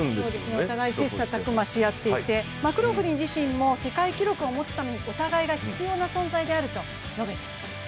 お互い切磋琢磨し合っていてマクローフリン自身も世界記録を持つためにお互いが必要な存在であると述べています。